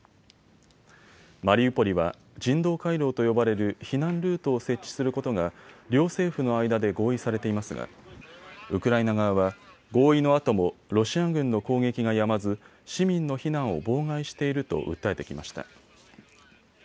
マリウポリは人道回廊と呼ばれる避難ルートを設置することが両政府の間で合意されていますがウクライナ側は合意のあともロシア軍の攻撃がやまず市民の避難を妨害していると訴えてきました。